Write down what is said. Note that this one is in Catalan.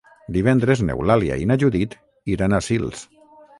Divendres n'Eulàlia i na Judit iran a Sils.